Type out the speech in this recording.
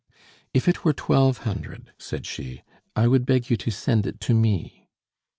"If it were twelve hundred," said she, "I would beg you to send it to me."